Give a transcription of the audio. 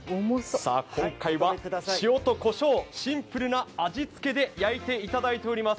今回は塩とこしょう、シンプルな味付けで焼いていただいております。